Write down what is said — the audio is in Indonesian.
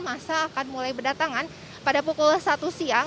masa akan mulai berdatangan pada pukul satu siang